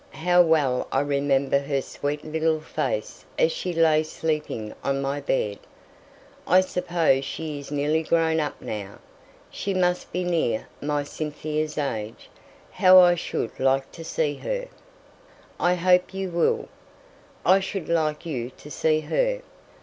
how well I remember her sweet little face as she lay sleeping on my bed. I suppose she is nearly grown up now. She must be near my Cynthia's age. How I should like to see her!" "I hope you will. I should like you to see her.